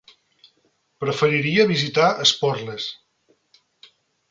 Preferiria visitar Esporles.